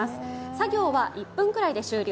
作業は１分ぐらいで終了。